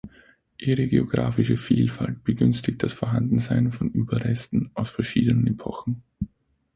Ihre geografische Vielfalt begünstigt das Vorhandensein von Überresten aus verschiedenen Epochen.